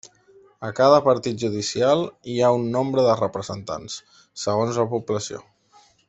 A cada partit judicial hi ha un nombre de representants, segons la població.